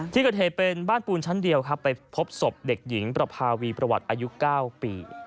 ที่เกิดเหตุเป็นบ้านปูนชั้นเดียวครับไปพบศพเด็กหญิงประพาวีประวัติอายุ๙ปี